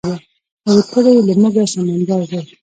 لرې کړی یې له موږه سمندر دی